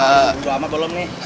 udah lama belum nih